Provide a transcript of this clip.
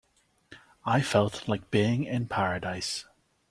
I felt like being in paradise.